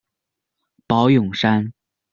宝永山。